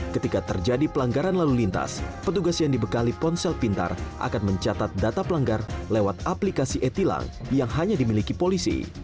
ketika terjadi pelanggaran lalu lintas petugas yang dibekali ponsel pintar akan mencatat data pelanggar lewat aplikasi e tilang yang hanya dimiliki polisi